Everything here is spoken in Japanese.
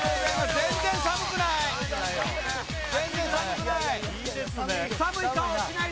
全然寒くない。